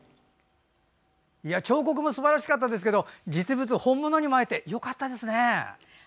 彫刻もすばらしかったですけど実物、本物にも会えてよかったですね。